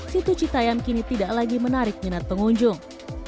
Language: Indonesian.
situ citayam kini tidak lagi menarik minat pengunjung